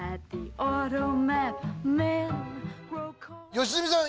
良純さん